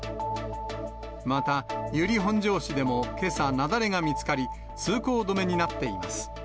また、由利本荘市でもけさ、雪崩が見つかり、通行止めになっています。